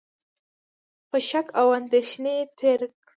په شک او اندېښنه تېر کړ،